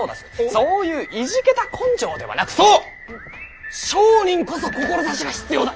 そういういじけた根性ではなくそう商人こそ志が必要だ。